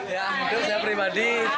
ya untuk saya pribadi